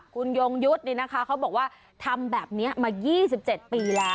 คุณยงยุทธ์นี่นะคะเขาบอกว่าทำแบบนี้มา๒๗ปีแล้ว